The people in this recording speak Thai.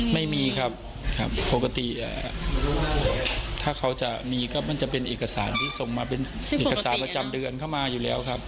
ไม่มีครับครับปกติถ้าเขาจะมีก็มันจะเป็นเอกสารที่ส่งมาเป็นเอกสารประจำเดือนเข้ามาอยู่แล้วครับ